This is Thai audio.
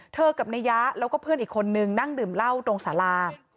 กับนายยะแล้วก็เพื่อนอีกคนนึงนั่งดื่มเหล้าตรงสารา